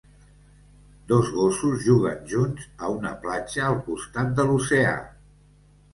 Dos gossos juguen junts a una platja al costat de l'oceà.